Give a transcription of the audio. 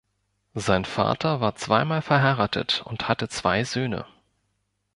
Sein Vater war zweimal verheiratet und hatte zwei Söhne.